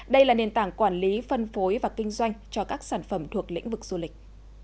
đây là nền tảng quản lý phân phối và kinh doanh cho các sản phẩm thuộc lĩnh vực du lịch